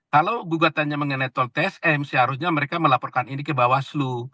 kalau gugatannya mengenai tol tsm seharusnya mereka melaporkan ini ke bawaslu